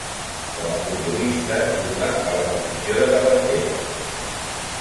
Com a futbolista, juga a la posició de davantera.